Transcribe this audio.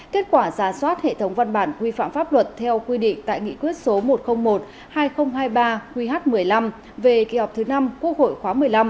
kết quả giả soát hệ thống văn bản quy phạm pháp luật theo quy định tại nghị quyết số một trăm linh một hai nghìn hai mươi ba qh một mươi năm về kỳ họp thứ năm quốc hội khóa một mươi năm